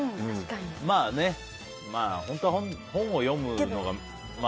まあ、本当は本を読むのが。